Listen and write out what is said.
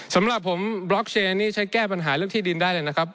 สำหรับผมบล็อกเชนนี่ใช้แก้ปัญหาเรื่องที่ดินได้เลยนะครับ